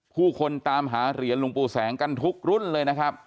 ผู้คนตามหาเหรียญหลวงปู่แสงกันทุกรุ่นเลยนะครับ